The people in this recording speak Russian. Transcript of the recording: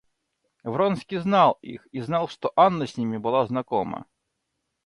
Вронский знал их и знал, что Анна с ними была знакома.